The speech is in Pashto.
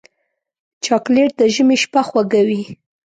چاکلېټ د ژمي شپه خوږوي.